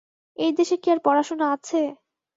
এই দেশে কি আর পড়াশোনা আছে?